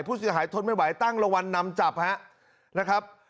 ผู้เสียหายทนไม่ไหวตั้งรางวัลนำจับฮะนะครับ